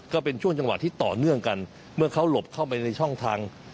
ก็เป็นช่วงจังหวะที่ต่อเนื่องกันเมื่อเขาหลบเข้าไปในช่องทาง